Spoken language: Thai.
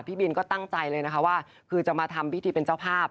พี่บินก็ตั้งใจคือจะมาทำพิธีเป็นเจ้าภาพ